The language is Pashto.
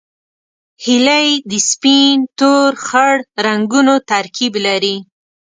هیلۍ د سپین، تور، خړ رنګونو ترکیب لري